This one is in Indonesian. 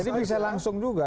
jadi bisa langsung juga